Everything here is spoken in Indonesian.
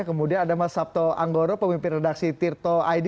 kemudian ada mas sabto anggoro pemimpin redaksi tirto id